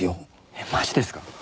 えマジですか？